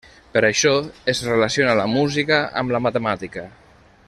Per això, es relaciona la música amb la matemàtica.